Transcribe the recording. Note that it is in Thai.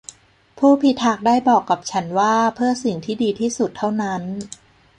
ผู้พิทักษ์ได้บอกกับฉันว่าเพิ่อสิ่งที่ดีที่สุดเท่านั้น